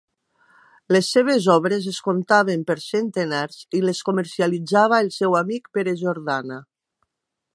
Les seves obres es contaven per centenars i les comercialitzava el seu amic Pere Jordana.